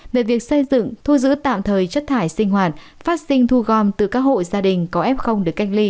về việc xây dựng thu giữ tạm thời chất thải sinh hoạt phát sinh thu gom từ các hộ gia đình có f được cách ly